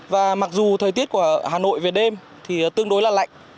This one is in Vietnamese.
và mặc dù thời tiết của hà nội về đêm thì tương đối là lạnh